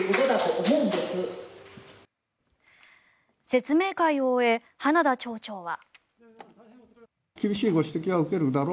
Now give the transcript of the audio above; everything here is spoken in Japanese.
説明会を終え花田町長は。